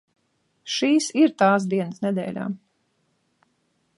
Šīs ir tās dienas nedēļā.